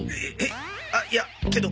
あいやけど。